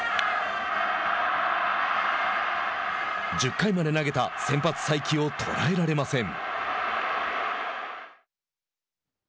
１０回まで投げた先発才木を捉えられません。